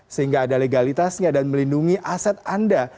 sehingga ada legalitasnya dan melindungi aset anda